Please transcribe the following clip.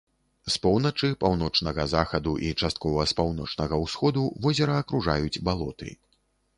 З поўначы, паўночнага захаду і часткова з паўночнага ўсходу возера акружаюць балоты.